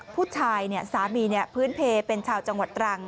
ผู้ชายสามีพื้นเพลเป็นชาวจังหวัดตรัง